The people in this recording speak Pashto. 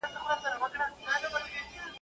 o د زور اوبه پر لوړه ځي.